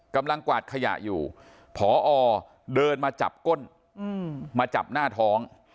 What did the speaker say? กวาดขยะอยู่พอเดินมาจับก้นมาจับหน้าท้อง